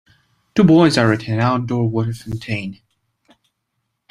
Two boys are at an outdoor water fountain